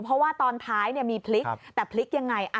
เพราะว่าตอนท้ายมีพลิกแต่พลิกยังไง